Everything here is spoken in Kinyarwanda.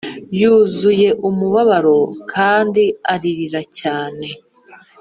yuzuye umubabaro kandi aririra cyane